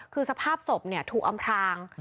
คือสภาพศพถูกอำพราง